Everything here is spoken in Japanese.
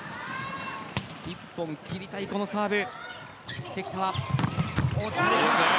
１本切りたいこのサーブ。